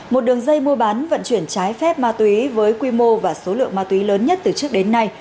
một đường dây mua bán vận chuyển trái phép ma túy với quy mô và số lượng ma túy lớn nhất từ trước đến nay